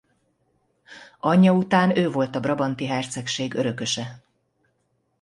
Anyja után ő volt a Brabanti Hercegség örököse.